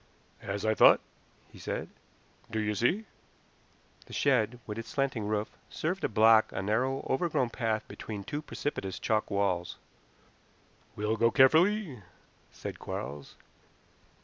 "As I thought," he said. "Do you see?" The shed, with its slanting roof, served to block a narrow, overgrown path between two precipitous chalk walls. "We'll go carefully," said Quarles.